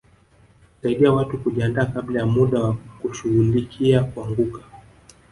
Kusaidia watu kujiandaa kabla ya muda na kushughulikia kuanguka